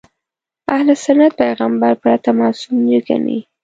اهل سنت پیغمبر پرته معصوم نه ګڼي.